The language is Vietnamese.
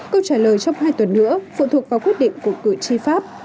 câu trả lời trong hai tuần nữa phụ thuộc vào quyết định của cử tri pháp